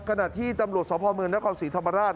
ขณะที่ตำรวจสมภอมือนักกรรมศรีธรรมราช